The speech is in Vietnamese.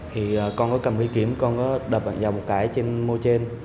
thì con có cầm cái kiếm con có đập bạn giàu một cái trên môi trên